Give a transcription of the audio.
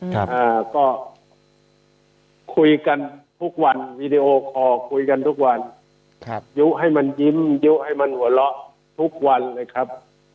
คุยกันทุกวันยุ่งให้มันยิ้มยุ่งให้มันหัวเราะทุกวันเลยครับ